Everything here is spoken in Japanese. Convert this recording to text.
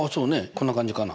こんな感じかな？